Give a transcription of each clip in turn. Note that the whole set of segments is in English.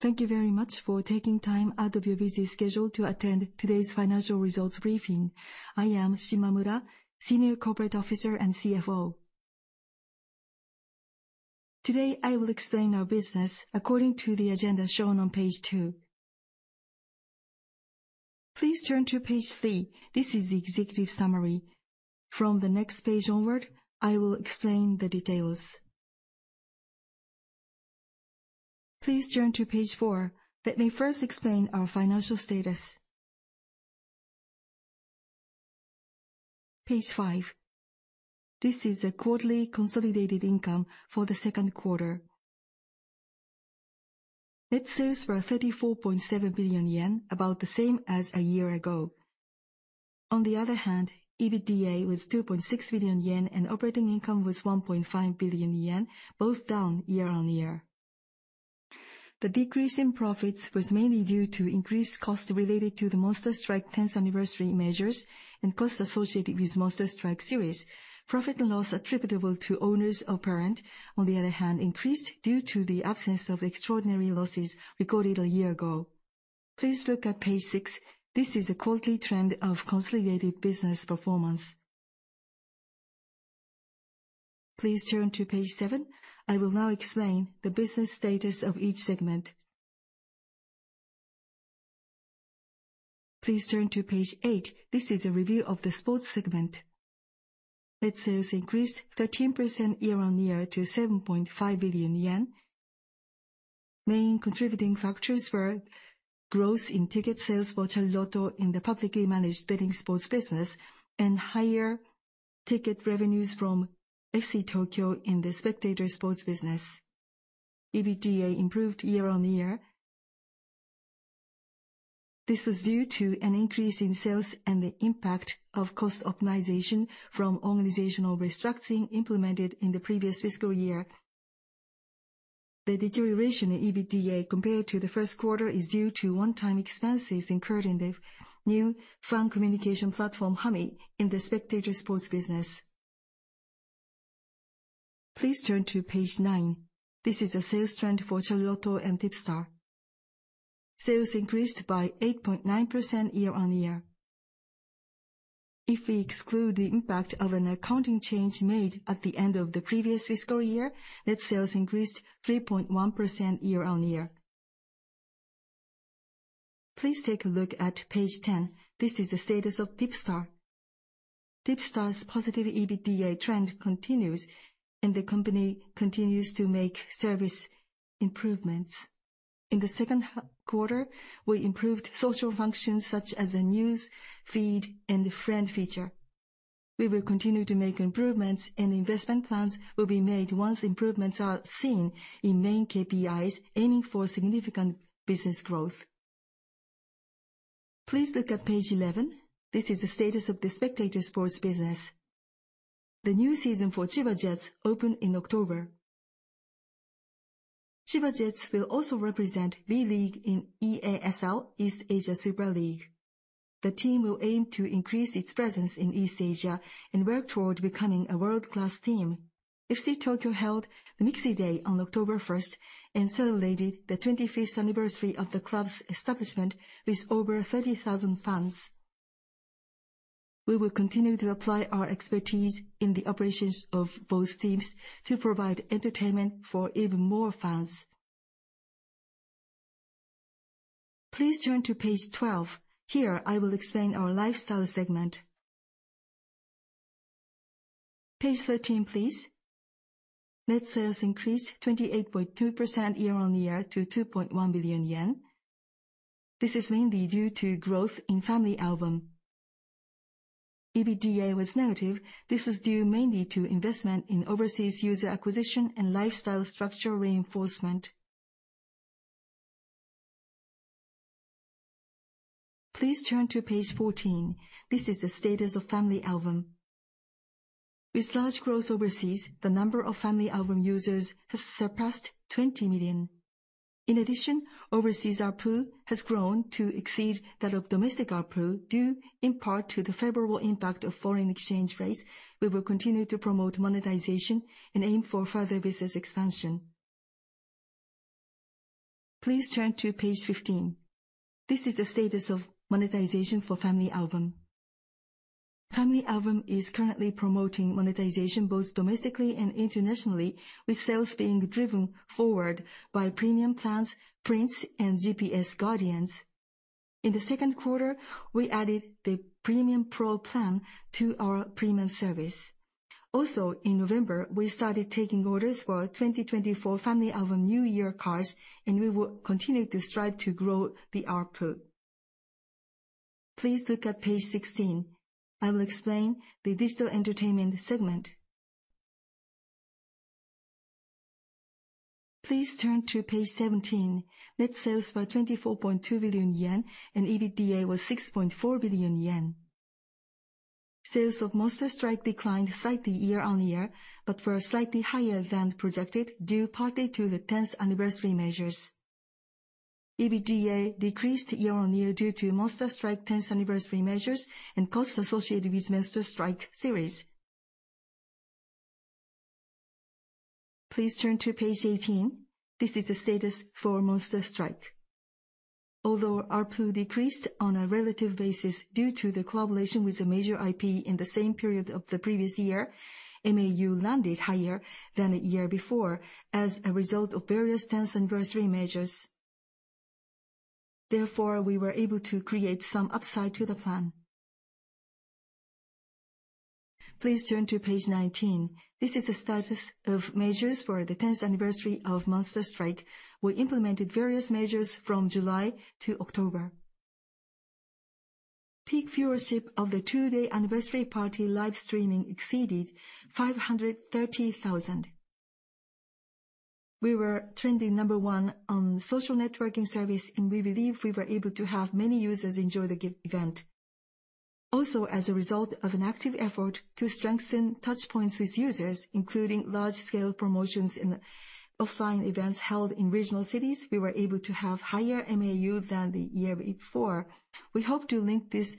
Thank you very much for taking time out of your busy schedule to attend today's financial results briefing. I am Shimamura, Senior Corporate Officer and CFO. Today, I will explain our business according to the agenda shown on page 2. Please turn to page 3. This is the executive summary. From the next page onward, I will explain the details. Please turn to page 4. Let me first explain our financial status. Page 5. This is a quarterly consolidated income for the Q2. Net sales were 34.7 billion yen, about the same as a year ago. On the other hand, EBITDA was 2.6 billion yen, and operating income was 1.5 billion yen, both down year-on-year. The decrease in profits was mainly due to increased costs related to the Monster Strike 10th anniversary measures and costs associated with Monster Strike series. Profit and loss attributable to owners of parent, on the other hand, increased due to the absence of extraordinary losses recorded a year ago. Please look at page 6. This is a quarterly trend of consolidated business performance. Please turn to page 7. I will now explain the business status of each segment. Please turn to page 8. This is a review of the sports segment. Net sales increased 13% year-on-year to 7.5 billion yen. Main contributing factors were growth in ticket sales for Chariloto in the publicly managed betting sports business and higher ticket revenues from FC Tokyo in the spectator sports business. EBITDA improved year-on-year. This was due to an increase in sales and the impact of cost optimization from organizational restructuring implemented in the previous fiscal year. The deterioration in EBITDA compared to the Q1 is due to one-time expenses incurred in the new fan communication platform, humy, in the spectator sports business. Please turn to page 9. This is a sales trend for Chariloto and TIPSTAR. Sales increased by 8.9% year-over-year. If we exclude the impact of an accounting change made at the end of the previous fiscal year, net sales increased 3.1% year-over-year. Please take a look at page 10. This is the status of TIPSTAR. TIPSTAR's positive EBITDA trend continues, and the company continues to make service improvements. In the second half quarter, we improved social functions such as the news feed and friend feature. We will continue to make improvements, and investment plans will be made once improvements are seen in main KPIs, aiming for significant business growth. Please look at page 11. This is the status of the spectator sports business. The new season for Chiba Jets opened in October. Chiba Jets will also represent B.LEAGUE in EASL, East Asia Super League. The team will aim to increase its presence in East Asia and work toward becoming a world-class team. FC Tokyo held the MIXI Day on October 1 and celebrated the 25th anniversary of the club's establishment with over 30,000 fans. We will continue to apply our expertise in the operations of both teams to provide entertainment for even more fans. Please turn to page 12. Here, I will explain our lifestyle segment. Page 13, please. Net sales increased 28.2% year-on-year to 2.1 billion yen. This is mainly due to growth in FamilyAlbum. EBITDA was negative. This was due mainly to investment in overseas user acquisition and lifestyle structure reinforcement. Please turn to page 14. This is the status of FamilyAlbum. With large growth overseas, the number of FamilyAlbum users has surpassed 20 million. In addition, overseas ARPU has grown to exceed that of domestic ARPU, due in part to the favorable impact of foreign exchange rates. We will continue to promote monetization and aim for further business expansion. Please turn to page 15. This is the status of monetization for FamilyAlbum. FamilyAlbum is currently promoting monetization both domestically and internationally, with sales being driven forward by premium plans, prints, and GPS Guardians. In the Q2, we added the Premium Pro plan to our premium service. Also, in November, we started taking orders for our 2024 FamilyAlbum New Year cards, and we will continue to strive to grow the ARPU. Please look at page 16. I will explain the digital entertainment segment. Please turn to page 17. Net sales were 24.2 billion yen, and EBITDA was 6.4 billion yen. Sales of Monster Strike declined slightly year-on-year, but were slightly higher than projected, due partly to the 10th anniversary measures. EBITDA decreased year-on-year due to Monster Strike 10th anniversary measures and costs associated with Monster Strike series. Please turn to page 18. This is the status for Monster Strike. Although ARPU decreased on a relative basis due to the collaboration with a major IP in the same period of the previous year, MAU landed higher than the year before as a result of various 10th anniversary measures. Therefore, we were able to create some upside to the plan. Please turn to page 19. This is the status of measures for the 10th anniversary of Monster Strike. We implemented various measures from July to October. Peak viewership of the two-day anniversary party live streaming exceeded 530,000. We were trending number 1 on social networking service, and we believe we were able to have many users enjoy the gift event. Also, as a result of an active effort to strengthen touchpoints with users, including large-scale promotions and offline events held in regional cities, we were able to have higher MAU than the year before. We hope to link this,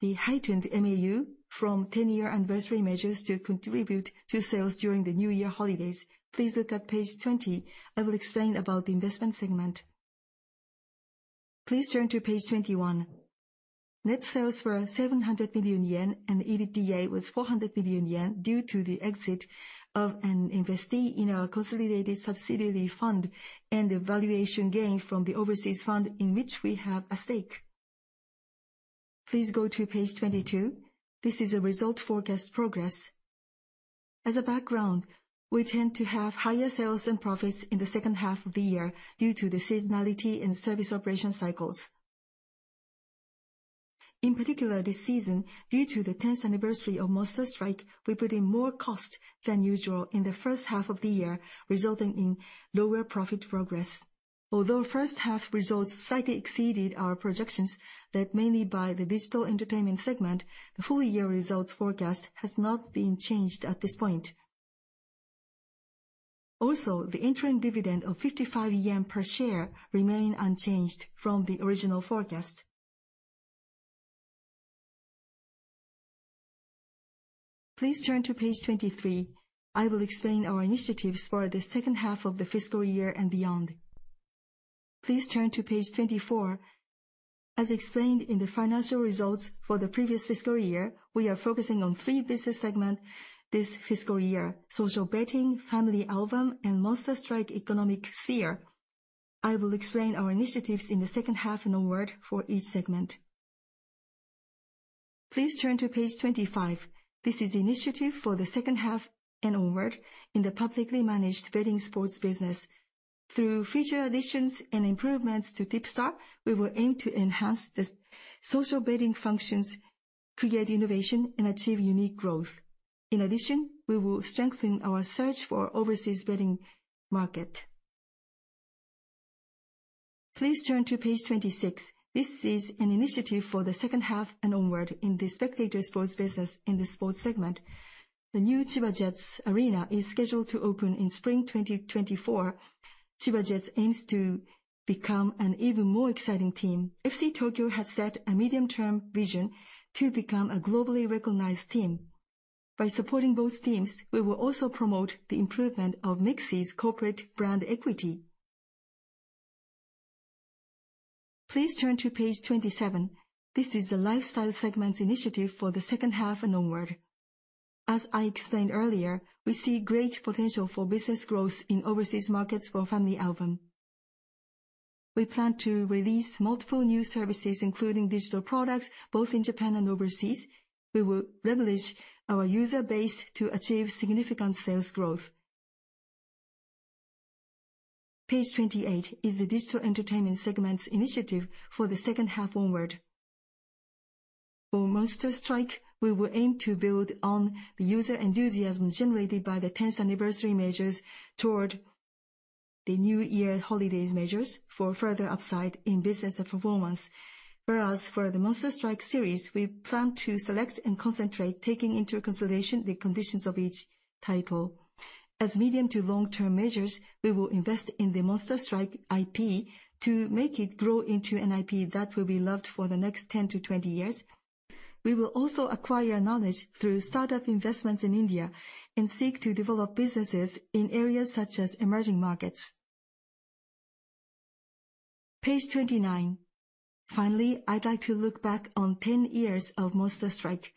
the heightened MAU from 10-year anniversary measures to contribute to sales during the New Year holidays. Please look at page 20. I will explain about the investment segment. Please turn to page 21. Net sales were 700 million yen, and EBITDA was 400 million yen due to the exit of an investee in our consolidated subsidiary fund and the valuation gain from the overseas fund in which we have a stake. Please go to page 22. This is a result forecast progress. As a background, we tend to have higher sales and profits in the second half of the year due to the seasonality and service operation cycles. In particular, this season, due to the 10th anniversary of Monster Strike, we put in more cost than usual in the first half of the year, resulting in lower profit progress. Although first half results slightly exceeded our projections, led mainly by the digital entertainment segment, the full year results forecast has not been changed at this point. Also, the interim dividend of 55 yen per share remain unchanged from the original forecast. Please turn to page 23. I will explain our initiatives for the second half of the fiscal year and beyond. Please turn to page 24. As explained in the financial results for the previous fiscal year, we are focusing on three business segment this fiscal year: social betting, FamilyAlbum, and Monster Strike Economic Sphere. I will explain our initiatives in the second half and onward for each segment. Please turn to page 25. This is initiative for the second half and onward in the publicly managed betting sports business. Through feature additions and improvements to TIPSTAR, we will aim to enhance the social betting functions, create innovation, and achieve unique growth. In addition, we will strengthen our search for overseas betting market. Please turn to page 26. This is an initiative for the second half and onward in the spectator sports business in the sports segment. The new Chiba Jets Arena is scheduled to open in spring 2024. Chiba Jets aims to become an even more exciting team. FC Tokyo has set a medium-term vision to become a globally recognized team. By supporting both teams, we will also promote the improvement of MIXI's corporate brand equity. Please turn to page 27. This is the lifestyle segment's initiative for the second half and onward. As I explained earlier, we see great potential for business growth in overseas markets for FamilyAlbum. We plan to release multiple new services, including digital products, both in Japan and overseas. We will leverage our user base to achieve significant sales growth. Page 28 is the digital entertainment segment's initiative for the second half onward. For Monster Strike, we will aim to build on the user enthusiasm generated by the tenth anniversary measures toward the New Year holidays measures for further upside in business and performance. Whereas for the Monster Strike series, we plan to select and concentrate, taking into consideration the conditions of each title. As medium to long-term measures, we will invest in the Monster Strike IP to make it grow into an IP that will be loved for the next 10-20 years. We will also acquire knowledge through startup investments in India and seek to develop businesses in areas such as emerging markets. Page 29. Finally, I'd like to look back on 10 years of Monster Strike.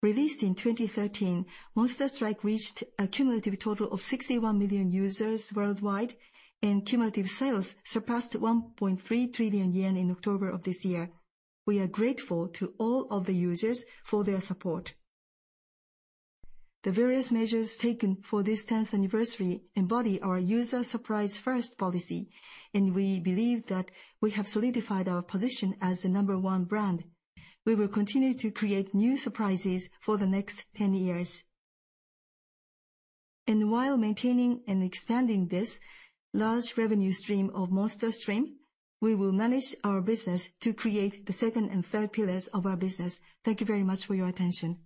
Released in 2013, Monster Strike reached a cumulative total of 61 million users worldwide, and cumulative sales surpassed 1.3 trillion yen in October of this year. We are grateful to all of the users for their support. The various measures taken for this tenth anniversary embody our User Surprise First policy, and we believe that we have solidified our position as the number one brand. We will continue to create new surprises for the next 10 years. While maintaining and expanding this large revenue stream of Monster Strike, we will manage our business to create the second and third pillars of our business. Thank you very much for your attention.